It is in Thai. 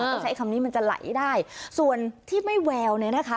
ต้องใช้คำนี้มันจะไหลได้ส่วนที่ไม่แววเนี่ยนะคะ